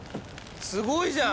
すごいじゃん。